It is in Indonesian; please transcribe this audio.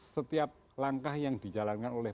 setiap langkah yang dijalankan oleh